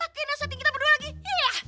pake naso tinggi kita berdua lagi iya